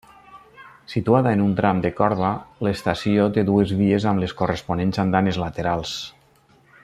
Situada en un tram de corba, l'estació té dues vies amb les corresponents andanes laterals.